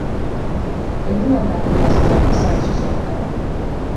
Heldu al da klonazioa sare sozialetara?